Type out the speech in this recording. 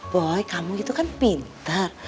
boy kamu itu kan pinter